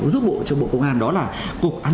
giúp cho bộ công an đó là cục an toàn